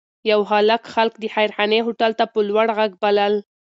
یو هلک خلک د خیرخانې هوټل ته په لوړ غږ بلل.